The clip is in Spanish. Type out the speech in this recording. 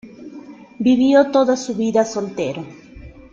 Vivió toda su vida soltero.